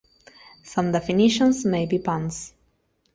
Some daffynitions may be puns.